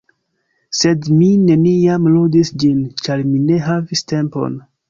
sed mi neniam ludis ĝin, ĉar mi ne havis tempon.